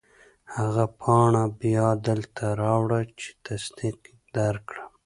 هغه پاڼه بیا دلته راوړه چې تصدیق درکړم.